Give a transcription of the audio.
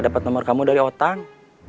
dapat nomor kamu dari otang